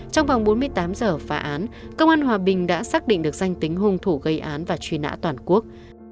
trong vòng bốn mươi tám giờ phá án công an hòa bình đã xác định được danh tính hung thủ gây án và truy nã toàn quốc